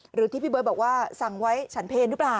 หรือที่พี่เบิร์ตบอกว่าสั่งไว้ฉันเพลหรือเปล่า